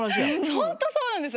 ホントそうなんです。